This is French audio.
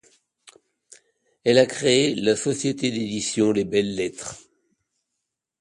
Elle a créé la société d'édition Les Belles Lettres.